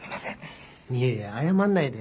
いやいや謝んないで。